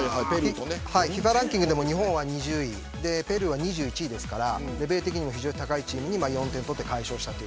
ＦＩＦＡランキングでも日本は２０位ペルーは２１位ですからレベル的にも高いチームに４点取って快勝した。